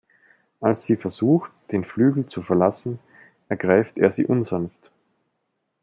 Als sie versucht, den Flügel zu verlassen, ergreift er sie unsanft.